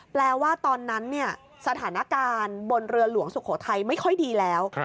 แปลว่าตอนนั้นสถานการณ์บนเรือหลวงสุโขทัยไม่ค่อยดีแล้ว